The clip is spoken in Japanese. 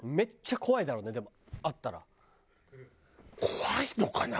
怖いのかな？